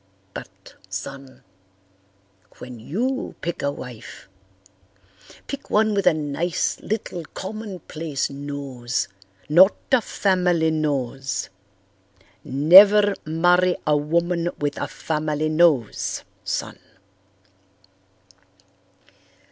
But, son, when you pick a wife pick one with a nice little commonplace nose, not a family nose. Never marry a woman with a family nose, son."